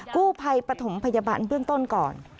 กู้ภัยปฐมพยาบาลเบื้องต้นก่อน